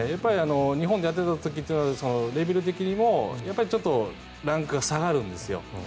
日本でやっていた時はレベル的にもちょっとランクが下がるんですよ。